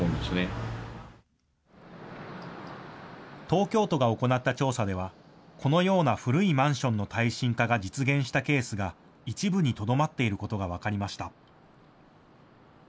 東京都が行った調査ではこのような古いマンションの耐震化が実現したケースが一部にとどまっていることが分かりました。